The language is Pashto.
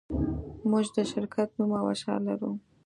موږ د شرکت نوم او شعار لرو